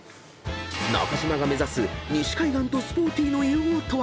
［中島が目指す西海岸とスポーティーの融合とは？］